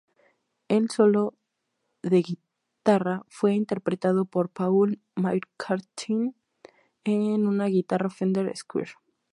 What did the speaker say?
El solo de guitarra fue interpretado por Paul McCartney en una guitarra Fender Squire.